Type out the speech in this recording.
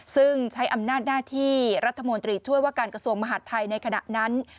ซึ่งใช้อำนาจหน้าที่รัฐมนตรีช่วยว่าการกระทรวงมหาดไทยในขณะนั้น